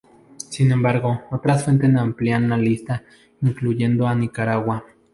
Sin embargo, otras fuentes amplían la lista incluyendo a Nicaragua.